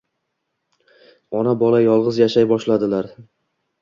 Ona-bola yolg‘iz yashay boshlaydilar.